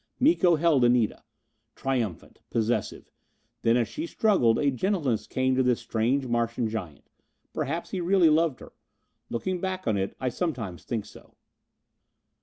Miko held Anita. Triumphant. Possessive. Then as she struggled, a gentleness came to this strange Martian giant. Perhaps he really loved her. Looking back on it, I sometimes think so.